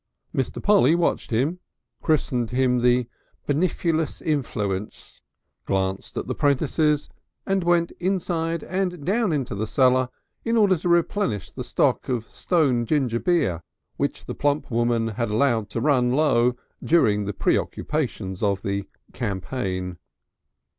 Mr. Polly watched him, christened him the "benifluous influence," glanced at the 'prentices and went inside and down into the cellar in order to replenish the stock of stone ginger beer which the plump woman had allowed to run low during the preoccupations of the campaign.